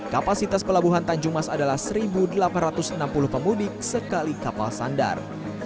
kapasitas pelabuhan tanjung mas adalah satu delapan ratus enam puluh pemudik sekali kapal sandar